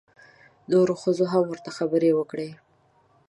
نورو ښځو هم ورته خبرې وکړې.